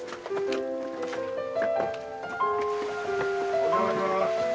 お邪魔します。